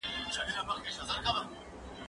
زه به سبا د کتابتون لپاره کار وکړم!.